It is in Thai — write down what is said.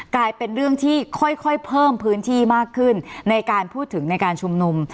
กลายเป็นเรื่องที่ค่อยเพิ่มพื้นที่มากขึ้นในการพูดถึงในการชุมนุม